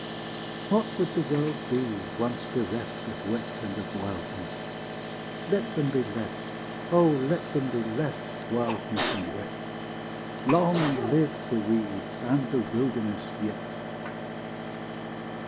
What would the world be, once bereft Of wet and of wildness ? Let them be left, O let them be left, wildness and wet ; Long live the weeds and the wilderness yet.